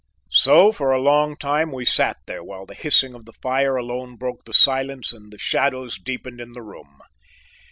So for a long time we sat there while the hissing of the fire alone broke the silence and the shadows deepened in the room.